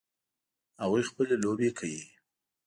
هغوی خپلې لوبې کوي